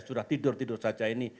sudah tidur tidur saja ini